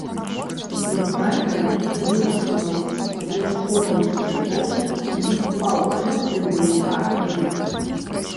Цэнтральная вылучана лучковым шчытом і паўцыркульнымі аркамі.